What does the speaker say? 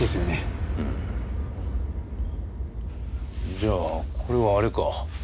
じゃあこれはあれか？